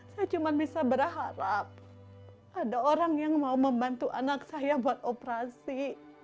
saya cuma bisa berharap ada orang yang mau membantu anak saya buat operasi